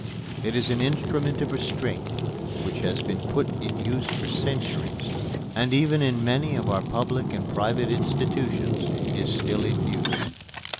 It is an instrument of restraint which has been in use for centuries and even in many of our public and private institutions is still in use.